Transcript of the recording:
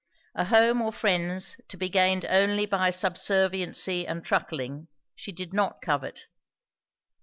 A home or friends to be gained only by subserviency and truckling, she did not covet.